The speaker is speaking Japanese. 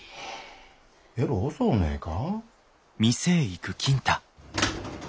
えろう遅うねえか？